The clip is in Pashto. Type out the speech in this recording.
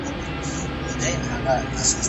خدای غوښتل چي په مځکه کي خلیفه پیدا کړي.